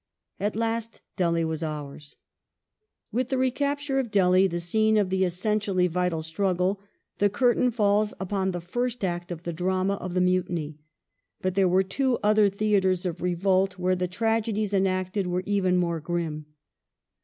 At last Delhi was ours.^ With the recapture of Delhi —" the scene of the essentially Cawnpur vital struggle "^— the curtain falls upon the first act of the drama of the Mutiny. But there were two other theatres of revolt where the tragedies enacted were even more grim.